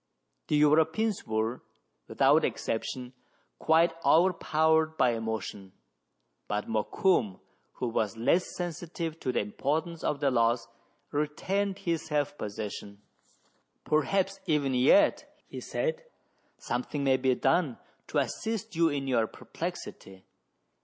The Europeans were, without exception, quite over powered by emotion ; but Mokoum, who was less sensitive to the importance of the loss, retained his self possession. " Perhaps even yet," he said, " something may be done to assist you in your perplexity.